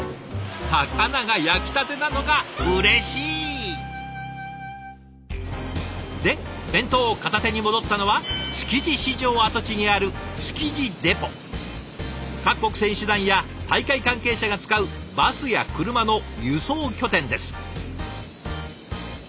魚が焼きたてなのがうれしい！で弁当を片手に戻ったのは築地市場跡地にある各国選手団や大会関係者が使うバスや車の輸送拠点です。